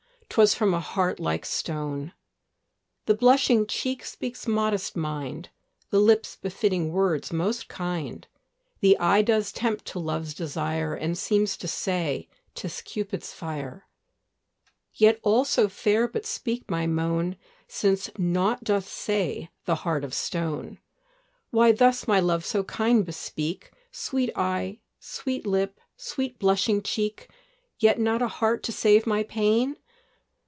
'twas from a heart like stone. The blushing cheek speaks modest mind, The lips befitting words most kind, The eye does tempt to love's desire, And seems to say, "'Tis Cupid's fire;" Yet all so fair but speak my moan, Since nought doth say the heart of stone. Why thus, my love, so kind bespeak Sweet eye, sweet lip, sweet blushing cheek, Yet not a heart to save my pain?